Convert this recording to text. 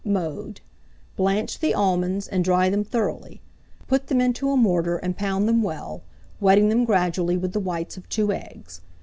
Mode. Blanch the almonds, and dry them thoroughly; put them into a mortar, and pound them well, wetting them gradually with the whites of 2 eggs.